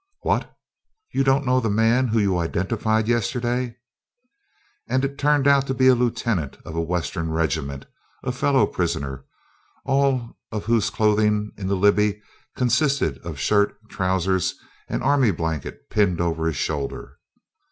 "What, you don't know the man you identified yesterday?" And it turned out to be a lieutenant of a Western regiment, and fellow prisoner, all of whose clothing in the Libby consisted of shirt, trowsers, and army blanket pinned over his shoulders.